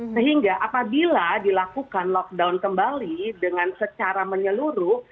sehingga apabila dilakukan lockdown kembali dengan secara menyeluruh